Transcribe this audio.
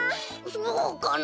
そうかな。